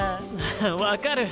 分かる。